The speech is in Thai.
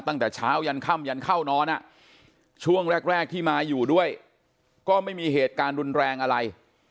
ตั้งแต่เช้ายันค่ำยันเข้านอนช่วงแรกที่มาอยู่ด้วยก็ไม่มีเหตุการณ์รุนแรงอะไร